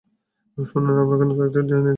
শুনুন, আপনাকে নতুন একটা কিনে দেব।